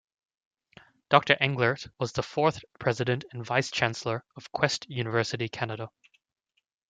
Doctor Englert was the fourth president and vice-chancellor of Quest University Canada.